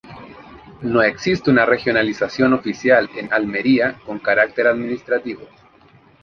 No existe una regionalización oficial en Almería con carácter administrativo.